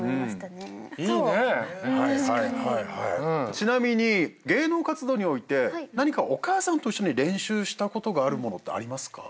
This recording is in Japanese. ちなみに芸能活動において何かお母さんと一緒に練習したことがあるものってありますか？